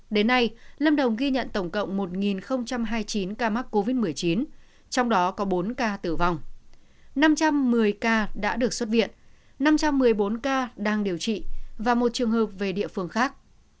đến nay lâm đồng ghi nhận tổng cộng một hai mươi chín ca mắc covid một mươi chín trong đó có bốn ca tử vong năm trăm một mươi ca đã được xuất viện năm trăm một mươi bốn ca đang điều trị và một trường hợp về địa phương khác